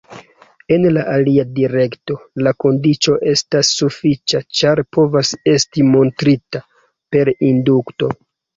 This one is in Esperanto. En la alia direkto, la kondiĉo estas sufiĉa, ĉar povas esti montrita per indukto.